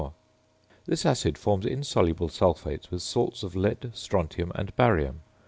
This acid forms insoluble sulphates with salts of lead, strontium, and barium.